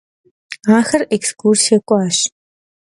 Axer ekskursiê k'uaş.